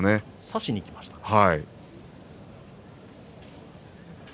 差しにいきましたね。